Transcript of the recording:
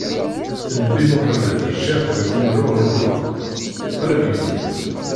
Nnbi Muḥemmed yejreḥ deg umennuɣ n Uḥud, qrib yemmut.